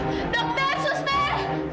cukup cukup pak